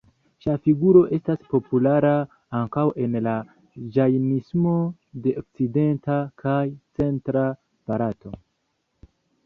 Ŝia figuro estas populara ankaŭ en la Ĝajnismo de okcidenta kaj centra Barato.